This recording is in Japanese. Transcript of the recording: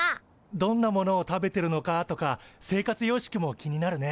どんなものを食べてるのかとか生活様式も気になるね。